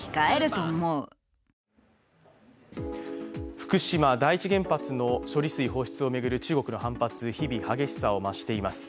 福島第一原発の処理水放出を巡る中国の反発日々、激しさを増しています。